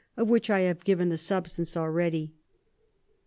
of which I have given the Substance already.